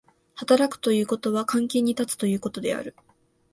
働くということは関係に立つということである。